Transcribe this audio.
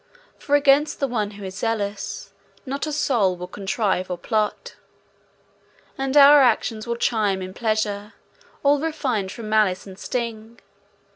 For against the one who is zealous, Not a soul will contrive or plot. And our actions will chime in pleasure, All refined from malice and sting.